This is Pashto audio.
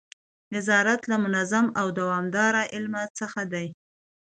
نظارت له منظم او دوامداره علم څخه دی.